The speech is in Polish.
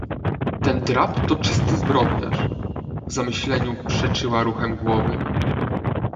"Ten drab to czysty zbrodniarz.“ W zamyśleniu przeczyła ruchem głowy."